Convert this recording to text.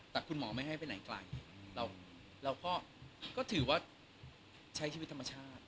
แต่คุณหมอไม่ให้ไปไหนไกลเราก็ถือว่าใช้ชีวิตธรรมชาติ